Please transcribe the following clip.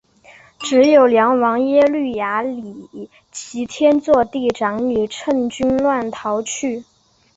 只有梁王耶律雅里及天祚帝长女乘军乱逃去。